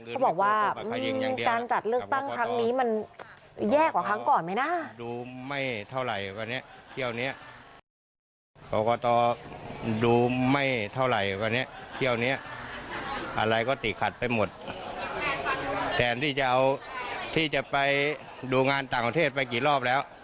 เขาบอกว่าการจัดเลือกตั้งครั้งนี้มันแย่กว่าครั้งก่อนไหมนะ